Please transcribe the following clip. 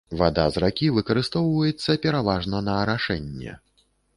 Вада з ракі выкарыстоўваецца пераважна на арашэнне.